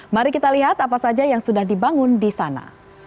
mari kita lihat apa saja yang sudah dibangun di sana